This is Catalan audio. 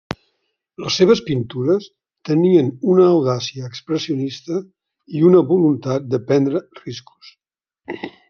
Les seves pintures tenien una audàcia expressionista i una voluntat de prendre riscos.